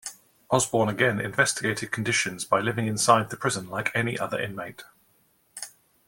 Osborne again investigated conditions by living inside the prison like any other inmate.